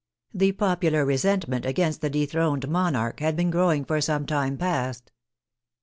The popular resentment against the de throned monarch had been growing for some time past.